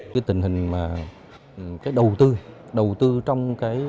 cái tình hình mà cái đầu tư đầu tư trong cái